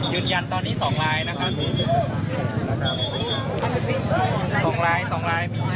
ยืนยันตอนนี้๒ลายนะครับ